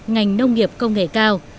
ngành nông nghiệp công nghệ cao